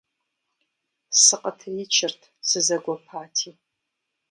Сыкъытричырт, сызэгуэпати.